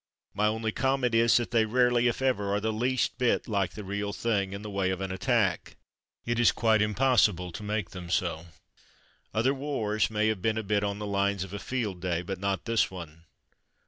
My only comment is that they rarely, if ever, are the least bit like the real thing in the way of an attack. It is quite impossible to make them so. Other wars may have been a bit on the lines of a field day, but not this one.